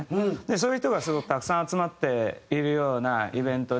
そういう人がすごくたくさん集まっているようなイベントで。